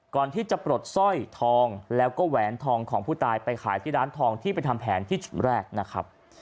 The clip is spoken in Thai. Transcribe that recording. ก่อนที่จะปลดสร้อยทองแล้วก็แหวนทองของผู้ตายไปขายที่ร้านทองที่ไปทำแผนที่จุดแรกนะครับ